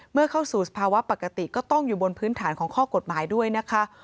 เมื่อเข้าสู่สภาวะปกติก็ต้องอยู่บนพื้นฐานของข้อกฎหมายด้วยนะคะ